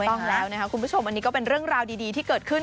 ต้องแล้วนะคะคุณผู้ชมอันนี้ก็เป็นเรื่องราวดีที่เกิดขึ้น